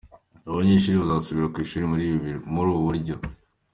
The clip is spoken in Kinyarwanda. Abanyeshuri basazubira ku ishuri muri ubu buryo.